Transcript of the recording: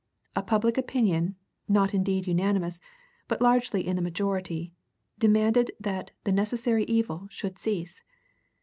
A public opinion, not indeed unanimous, but largely in the majority, demanded that the "necessary evil" should cease.